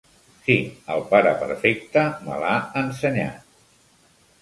Sí, el pare Perfecte me l'ha ensenyat.